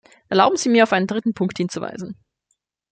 Erlauben Sie mir, auf einen dritten Punkt hinzuweisen.